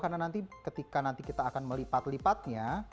karena nanti ketika nanti kita akan melipat lipatnya